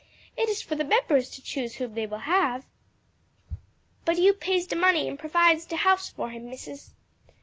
It is for the members to choose whom they will have." "But you pays de money and provides de house for him, Missus."